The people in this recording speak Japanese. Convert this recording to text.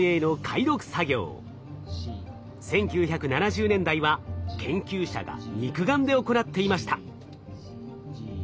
１９７０年代は研究者が肉眼で行っていました。